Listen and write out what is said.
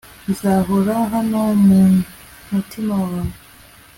nzahora hano mumutima wawe